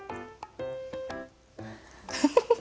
フフフフ。